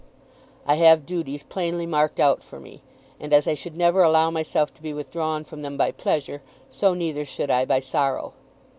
I have duties plainly marked out for me; and as I should never allow myself to be withdrawn from them by pleasure, so neither should I by sorrow.